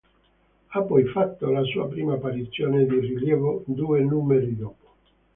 Ha poi fatto la sua prima apparizione di rilievo due numeri dopo.